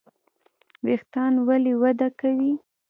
ویښتان ولې وده کوي؟